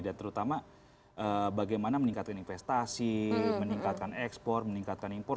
dan terutama bagaimana meningkatkan investasi meningkatkan ekspor meningkatkan impor